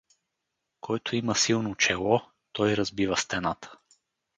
Който има силно чело, той разбива стената.